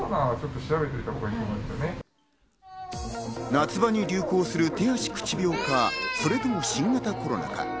夏場に流行する手足口病か、それとも新型コロナか。